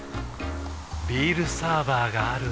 ビールサーバーがある夏。